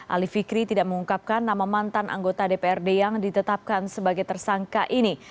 ali fikri tidak mengungkapkan nama mantan anggota dprd yang ditetapkan sebagai tersangka ini